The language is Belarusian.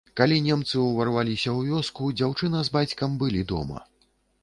Калі немцы ўварваліся ў вёску, дзяўчына з бацькам былі дома.